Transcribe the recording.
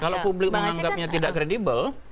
kalau publik menganggapnya tidak kredibel